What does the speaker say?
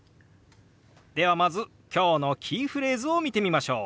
ではまず今日のキーフレーズを見てみましょう。